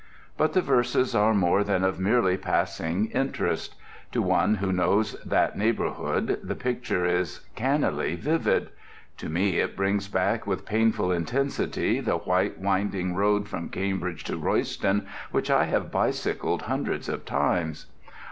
But the verses are more than of merely passing interest. To one who knows that neighbourhood the picture is cannily vivid. To me it brings back with painful intensity the white winding road from Cambridge to Royston which I have bicycled hundreds of tunes.